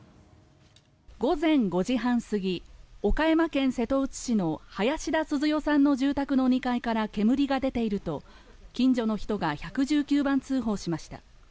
午前５時半過ぎ岡山県瀬戸内市の林田鈴代さんの住宅の２階から煙が出ていると近所の人が１１９番通報しました。